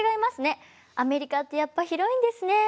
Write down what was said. アメリカってやっぱ広いんですね。